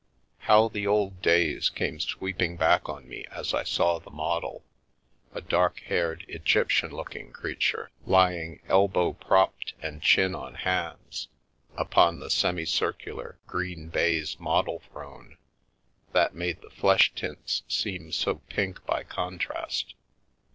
How the old days came sweep ing back on me as I saw the model — a dark haired, Egyptian looking creature — lying, elbow propped and chin on hands, upon the semi circular green baize model throne that made the flesh tints seem so pink by con trast.